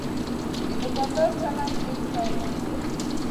د دوکاندار چلند ډېر ښه و.